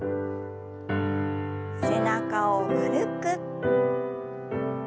背中を丸く。